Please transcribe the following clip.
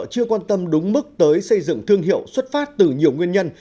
chưa quan tâm đúng mức tới xây dựng thương hiệu xuất phát từ nhiều nguyên nhân